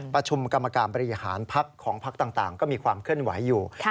ประชุมกรรมการบริหารพักของพักต่างก็มีความเคลื่อนไหวอยู่